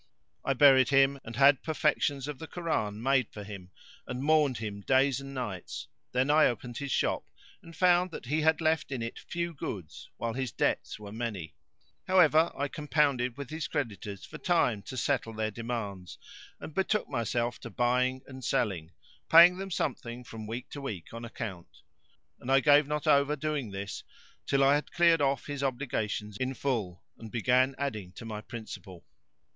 I buried him and had perlections of the Koran made for him, and mourned for him days and nights: then I opened his shop and found that he had left in it few goods, while his debts were many. However I compounded with his creditors for time to settle their demands and betook myself to buying and selling, paying them something from week to week on account; and I gave not over doing this till I had cleared off his obligations in full and began adding to my principal.